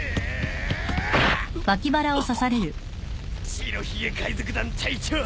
白ひげ海賊団隊長。